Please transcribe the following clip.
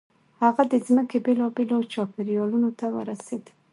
هغه د ځمکې بېلابېلو چاپېریالونو ته ورسېد.